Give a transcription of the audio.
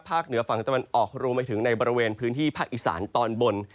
เหนือฝั่งตะวันออกรวมไปถึงในบริเวณพื้นที่ภาคอีสานตอนบน